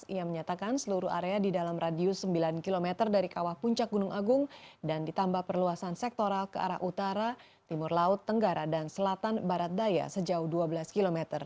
ia menyatakan seluruh area di dalam radius sembilan km dari kawah puncak gunung agung dan ditambah perluasan sektoral ke arah utara timur laut tenggara dan selatan barat daya sejauh dua belas km